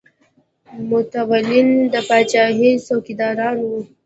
متولیان د پاچاهۍ څوکیداران وو.